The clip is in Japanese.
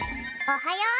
おはよう！